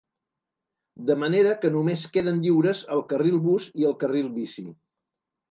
De manera que només queden lliures el carril bus i el carril bici.